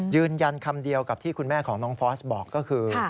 ยืนยันคำเดียวกับที่คุณแม่ของน้องฟอสบอกก็คือ